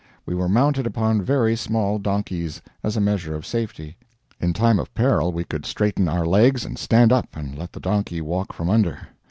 We were mounted upon very small donkeys, as a measure of safety; in time of peril we could straighten our legs and stand up, and let the donkey walk from under.